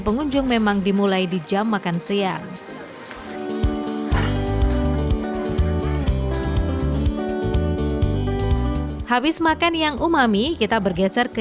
pengunjung memang dimulai di jam makan siang habis makan yang umami kita bergeser ke